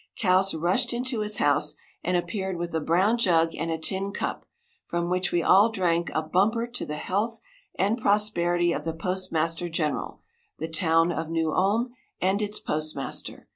Kouse rushed into his house, and appeared with a brown jug and a tin cup, from which we all drank a bumper to the health and prosperity of the postmaster general, the town of New Ulm, and its postmaster.